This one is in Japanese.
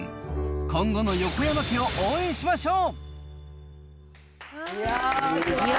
今後の横山家を応援しましょう。